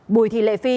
bùi thị lệ phi